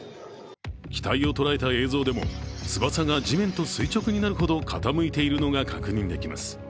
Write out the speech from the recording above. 機体を捉えた映像でも翼が地面と垂直になるほど傾いているのが確認できます。